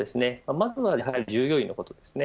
まずはやはり従業員のことですね。